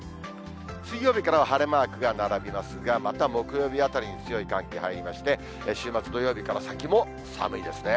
水曜日からは晴れマークが並びますが、また木曜日あたりに強い寒気入りまして、週末土曜日から先も寒いですね。